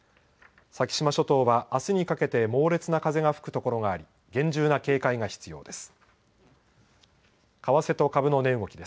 先島諸島はあすにかけて猛烈な風が吹く所があり厳重な警戒が必要です。